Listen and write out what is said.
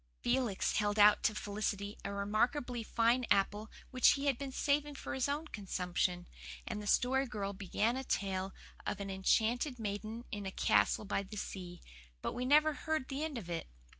Felix held out to Felicity a remarkably fine apple which he had been saving for his own consumption; and the Story Girl began a tale of an enchanted maiden in a castle by the sea; but we never heard the end of it.